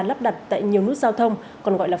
lắp đặt tại nhiều nút giao thông còn gọi là